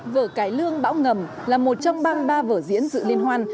vở cải lương bão ngầm là một trong bang ba vở diễn dự liên hoan